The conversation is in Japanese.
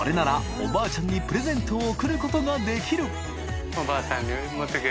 おばあちゃんにプレゼントを贈ることができる緑川）あっ。